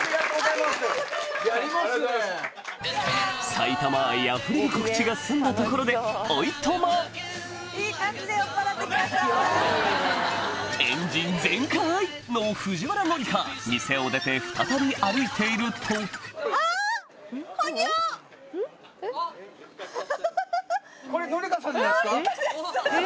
埼玉愛あふれる告知が済んだところでおいとまエンジン全開！の藤原紀香店を出て再び歩いているとフフフ。